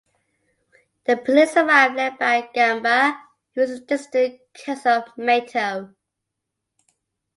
The police arrive, led by Gamba, who is a distant cousin of Mateo.